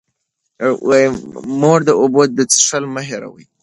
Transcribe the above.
د مور د اوبو څښل مه هېروئ.